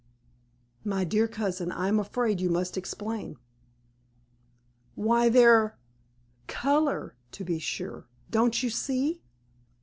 "My dear cousin, I am afraid you must explain." "Why, their color, to be sure. Don't you see?"